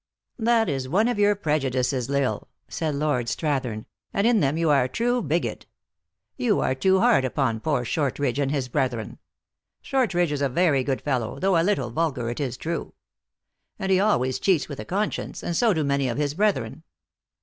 "That is one of your prejudices, L lsle," said Lord Strathern, " and in them you are a true bigot. You are too hard upon poor Shortridge and his brethren. Shortridge is a very good fellow, though a little vulgar it is true. And he always cheats with a conscience, and so do many of his brethren."